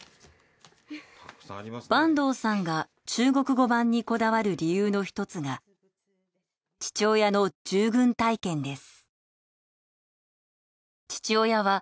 坂東さんが中国語版にこだわる理由の一つが父親の従軍体験です。